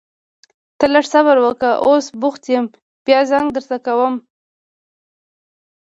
ته لږ صبر وکړه، اوس بوخت يم بيا زنګ درته کوم.